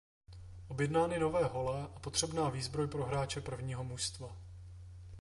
Objednány nové hole a potřebná výzbroj pro hráče prvního mužstva.